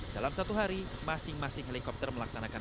dalam satu hari masing masing helikopter melakukan waterbombing